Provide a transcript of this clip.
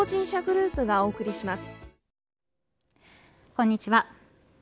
こんにちは。